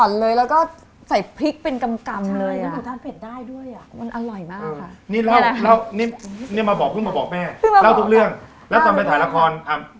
แจ๊ะปันต่อน